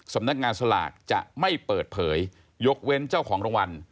สำนักงานสลากจะไม่เปิดเผยยกเว้นเจ้าของรางวัล